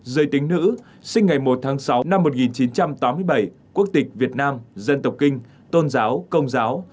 giới tính nữ sinh ngày một tháng sáu năm một nghìn chín trăm tám mươi bảy quốc tịch việt nam dân tộc kinh tôn giáo công giáo